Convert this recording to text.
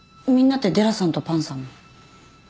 みんなってデラさんとパンさんも？